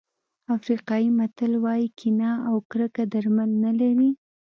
افریقایي متل وایي کینه او کرکه درمل نه لري.